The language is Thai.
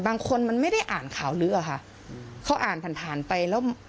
บางคนมันไม่ได้อ่านข่าวลื้ออะค่ะเขาอ่านผ่านผ่านไปแล้ว